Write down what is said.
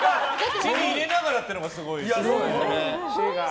口に入れながらっていうのがすごいし。